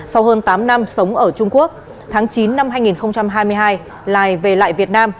sau hơn tám năm sống ở trung quốc tháng chín năm hai nghìn hai mươi hai lài về lại việt nam